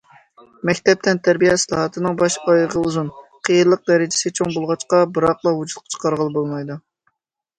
مەكتەپ تەنتەربىيە ئىسلاھاتىنىڭ باش- ئايىغى ئۇزۇن، قىيىنلىق دەرىجىسى چوڭ بولغاچقا، بىراقلا ۋۇجۇدقا چىقارغىلى بولمايدۇ.